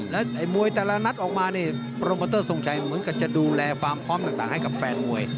และมวยแต่ละนัดออกมานี่โปรโมเตอร์ทรงชัยเหมือนกับจะดูแลความพร้อมต่างให้กับแฟนมวย